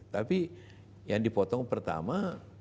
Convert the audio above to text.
tapi yang dipotong pertama